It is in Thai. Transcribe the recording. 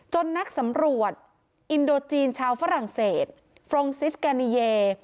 นักสำรวจอินโดจีนชาวฝรั่งเศสฟรองซิสแกนิเย